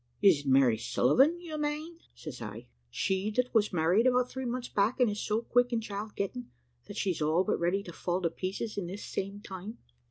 "`Is it Mary Sullivan, you mane?' says I; `she that was married about three months back, and is so quick in child getting, that she's all but ready to fall to pieces in this same time?'